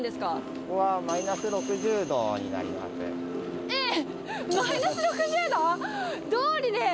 ここはマイナス６０度になりえっ！